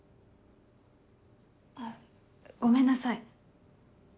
あごめんなさい。